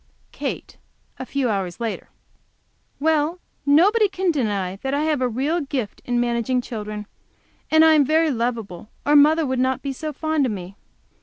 Kate, a few hours later. Well, nobody can deny that I have a real gift in managing children! And I am very lovable, or mother wouldn't be so fond of me.